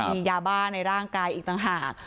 มียาบ้าในร่างกายอีกต่างหาก